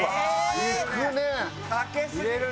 いくねえ。